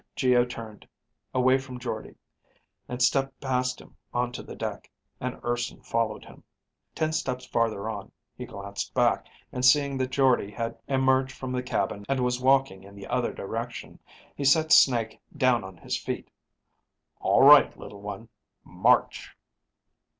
Geo turned, away from Jordde, and stepped past him onto the deck, and Urson followed him. Ten steps farther on, he glanced back, and seeing that Jordde had emerged from the cabin and was walking in the other direction, he set Snake down on his feet. "All right, Little One. March!"